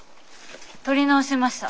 取り直しました。